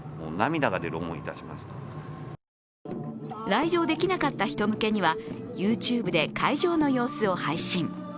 来場できなかった人向けにはＹｏｕＴｕｂｅで会場の様子を配信。